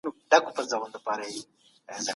تاسي بايد خپله ډوډې په شکر سره وخورئ.